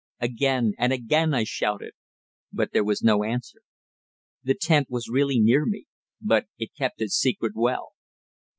Again and again I shouted. But there was no answer. The tent was really near me, but it kept its secret well.